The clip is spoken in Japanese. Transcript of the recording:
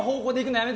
やめて！